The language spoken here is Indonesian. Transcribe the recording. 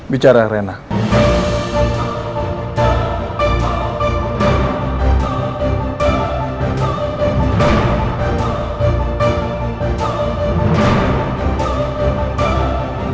bija ini adalah kesempatan yang sangat bagus sekali untuk kita ngobrol